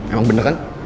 emang bener kan